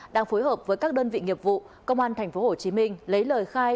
đang phối hợp với các đơn vị nghiệp vụ công an tp hcm lấy lời khai